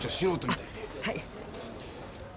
はい